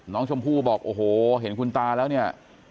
น้องชมพู่บอกโอ้โหเห็นคุณตาแล้วเนี่ย